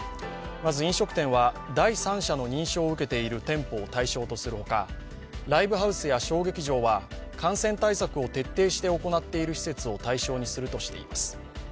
まず飲食店は第三者の認証を受けている店舗を対象とするほかライブハウスや小劇場は、感染対策を徹底して行っている施設を対象にするとしています。